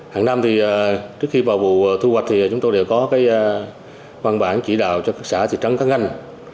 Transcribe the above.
hàng năm trước khi vào vụ thu hoạch chúng tôi đều có văn bản chỉ đạo cho các xã thị trấn các ngành